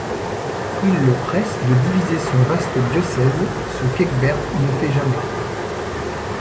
Il le presse de diviser son vaste diocèse, ce qu'Ecgberht ne fait jamais.